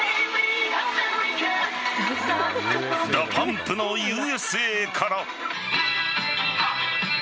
ＤＡＰＵＭＰの「Ｕ．Ｓ．Ａ．」から。